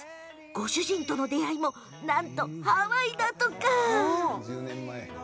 ご主人との出会いもなんとハワイだとか。